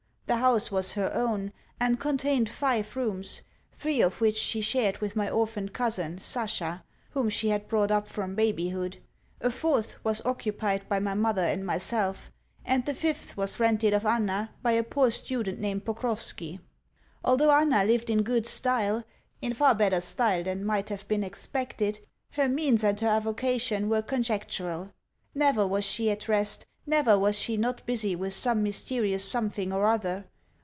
The house was her own, and contained five rooms, three of which she shared with my orphaned cousin, Sasha (whom she had brought up from babyhood); a fourth was occupied by my mother and myself; and the fifth was rented of Anna by a poor student named Pokrovski. Although Anna lived in good style in far better style than might have been expected her means and her avocation were conjectural. Never was she at rest; never was she not busy with some mysterious something or other.